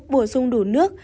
sáu bổ sung đủ nước